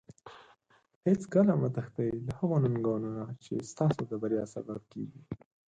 هیڅکله مه تښتي له هغو ننګونو نه چې ستاسو د بریا سبب کیږي.